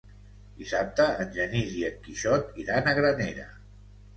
Dissabte en Genís i en Quixot iran a Granera.